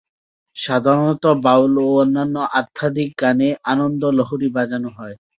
সাধারণত বাউল ও অন্যান্য আধ্যাত্মিক গানে আনন্দলহরী বাজানো হয়।